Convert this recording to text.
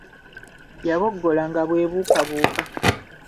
Yaboggola nga bwebuukabuuka.